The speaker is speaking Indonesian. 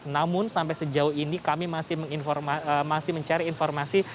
namun sampai sejauh ini kami masih mencari informasi